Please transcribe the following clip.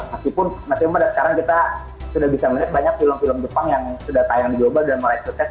meskipun masih muda sekarang kita sudah bisa melihat banyak film film jepang yang sudah tayang di global dan mulai sukses